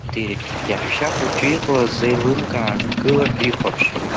Иаҳәшьа хәыҷы иҟалаз лзеилымкаазт, дгылан дихәаԥшуеит.